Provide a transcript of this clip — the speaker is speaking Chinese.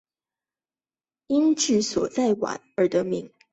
因治所在宛而得名。